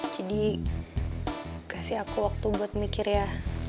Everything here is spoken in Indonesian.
jadi kasih aku waktu buat mikir ya